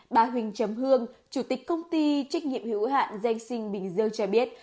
bà huỳnh chấm hương chủ tịch công ty trách nhiệm hữu hạn danh sinh bình dương cho biết